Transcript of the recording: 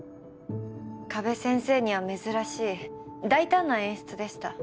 加部先生には珍しい大胆な演出でした。